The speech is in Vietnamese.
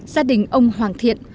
gia đình ông hoàng thiện